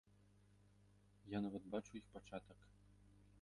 Я нават бачу іх пачатак.